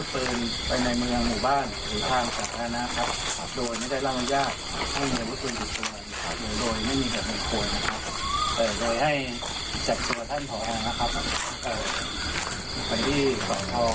เป็นที่ของพระอาจารย์นี้ตำรวจปืนตัวนักฆ่านักฆ่านะครับ